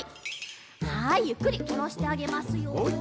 はいゆっくりおろしてあげますよ。